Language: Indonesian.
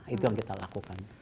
itu yang kita lakukan